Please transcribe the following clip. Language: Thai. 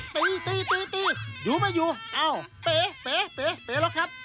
ตีตีตีตีอยู่ไม่อยู่เอ้าเป๋เป๋เป๋เป๋หรอกครับ